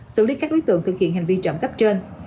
xử lý các đối tượng thực hiện hành vi trộm cắp trên